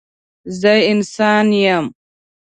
زه انسانه یم.